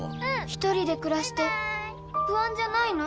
一人で暮らして不安じゃないの？